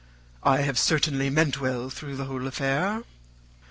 I have certainly meant well through the whole affair.